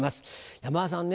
山田さんね